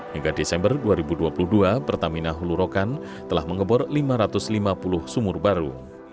hingga desember dua ribu dua puluh dua pertamina hulu rokan telah mengebor lima ratus lima puluh sumur baru